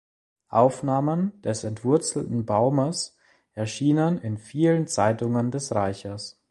Aufnahmen des entwurzelten Baumes erschienen in vielen Zeitungen des Reiches.